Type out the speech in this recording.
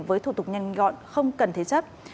với thủ tục nhanh gọn không cần thế chấp